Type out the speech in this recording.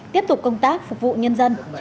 tiếp tục công tác phục vụ nhân dân